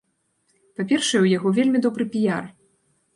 Па-першае, у яго вельмі добры піяр.